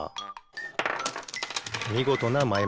みごとなまえ